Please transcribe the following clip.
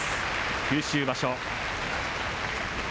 九州場所。